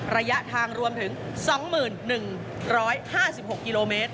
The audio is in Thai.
ระยะทางรวมถึง๒๑๕๖กิโลเมตร